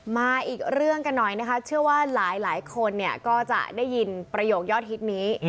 มาอีกเรื่องกันหน่อยนะคะเชื่อว่าหลายคนเนี่ยก็จะได้ยินประโยคยอดฮิตนี้